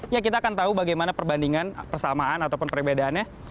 ya kita akan tahu bagaimana perbandingan persamaan ataupun perbedaannya